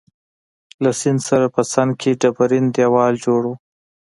له سیند سره په څنګ کي ډبرین دیوال جوړ وو.